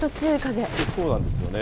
そうなんですよね。